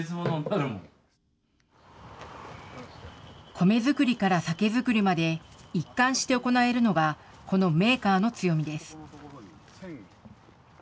米作りから酒造りまで、一貫して行えるのが、このメーカーの強みです。